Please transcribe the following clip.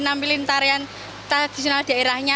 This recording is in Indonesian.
nampilin tarian tradisional daerahnya